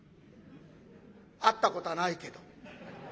会ったことはないけど。